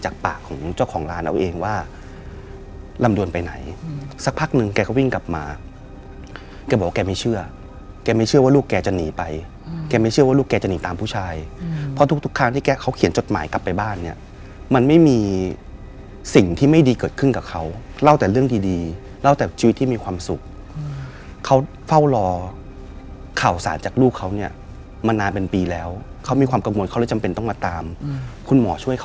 แกบอกว่าแกไม่เชื่อแกไม่เชื่อว่าลูกแกจะหนีไปแกไม่เชื่อว่าลูกแกจะหนีตามผู้ชายเพราะทุกครั้งที่แกเขาเขียนจดหมายกลับไปบ้านเนี่ยมันไม่มีสิ่งที่ไม่ดีเกิดขึ้นกับเขาเล่าแต่เรื่องดีเล่าแต่ชีวิตที่มีความสุขเขาเฝ้ารอข่าวสารจากลูกเขาเนี่ยมานานเป็นปีแล้วเขามีความกังวลเขาเลยจำเป็นต้องมาตามคุณ